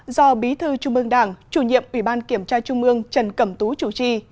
do bí thư trung ương đảng chủ nhiệm ủy ban kiểm tra trung ương trần cẩm tú chủ trì